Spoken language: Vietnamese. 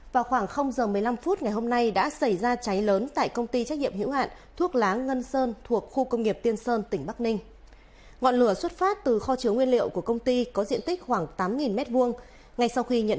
các bạn hãy đăng ký kênh để ủng hộ kênh của chúng mình nhé